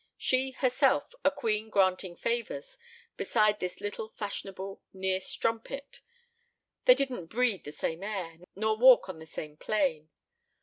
She, herself, a queen granting favors, beside this little fashionable near strumpet. They didn't breathe the same air, nor walk on the same plane.